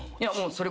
それ？